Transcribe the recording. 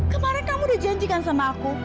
kemarin kamu udah janjikan sama aku